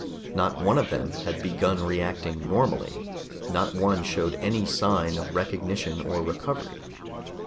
Not one of them had begun reacting normally, not one showed any sign of recognition or recovery.